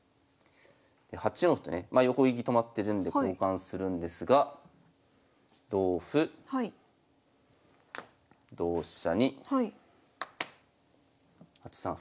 で８四歩とね横利き止まってるんで交換するんですが同歩同飛車に８三歩。